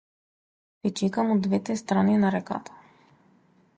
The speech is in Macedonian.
Те чекам од двете страни на реката.